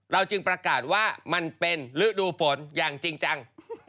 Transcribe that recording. จึงประกาศว่ามันเป็นฤดูฝนอย่างจริงจัง